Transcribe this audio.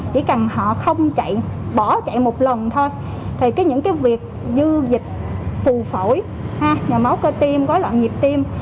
chỉ cần họ không chạy bỏ chạy một lần thôi thì những cái việc như dịch phù phổi máu cơ tim gói loạn nhịp tim